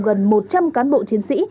gần một trăm linh cán bộ chiến sĩ